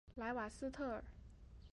莱瓦斯特尔。